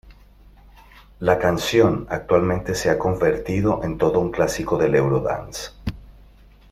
La canción, actualmente se ha convertido en todo un clásico del eurodance.